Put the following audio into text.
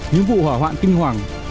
những vụ hỏa hoạn kinh hoàng